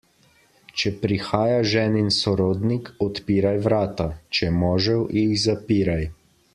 Če prihaja ženin sorodnik, odpiraj vrata, če možev, jih zapiraj.